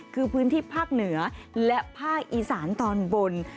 คือพื้นที่ภาคเหนือและภาคอีสานตอนบน